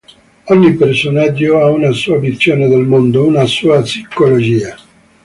Ogni personaggio ha una sua visione del mondo, una sua psicologia.